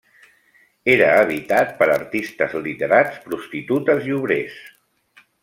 Era habitat per artistes, literats, prostitutes i obrers.